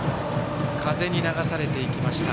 風に流されていきました。